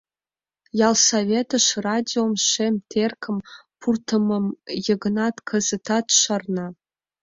Ялсоветыш радиом — шем теркым — пуртымым Йыгнат кызытат шарна.